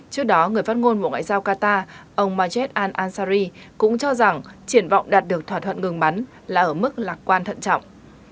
trước đó người phát ngôn bộ ngoại giao qatar ông majed al ansari cũng cho rằng triển vọng đạt được thỏa thuận ngừng bắn là ở mức lạc quan thận trọng